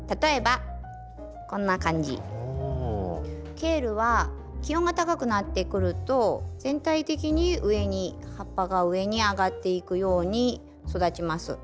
ケールは気温が高くなってくると全体的に上に葉っぱが上に上がっていくように育ちます。